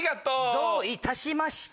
どういたしまして